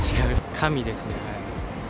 神ですね。